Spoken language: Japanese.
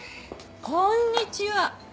こんにちは。